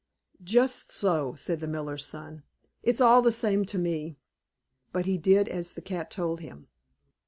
"Just so," said the miller's son; "it's all the same to me;" but he did as the cat told him.